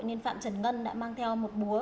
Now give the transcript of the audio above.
nên phạm trần ngân đã mang theo một búa